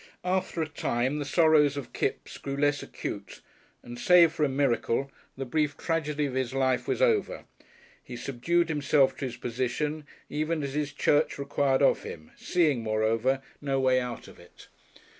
After a time the sorrows of Kipps grew less acute, and save for a miracle the brief tragedy of his life was over. He subdued himself to his position even as his Church required of him, seeing moreover no way out of it.